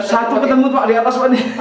satu ketemu pak di atas pak